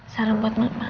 salam buat mama